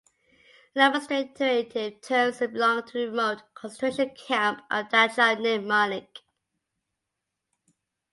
In administrative terms it belonged to the remote concentration camp of Dachau near Munich.